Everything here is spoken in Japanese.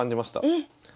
えっ！